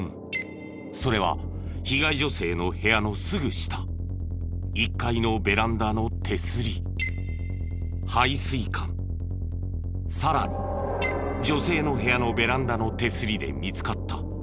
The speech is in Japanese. それは被害女性の部屋のすぐ下１階のベランダの手すり排水管さらに女性の部屋のベランダの手すりで見つかった。